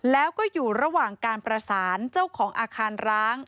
แล้วก็อยู่ระหว่างการประสานเจ้าของอาคารร้าง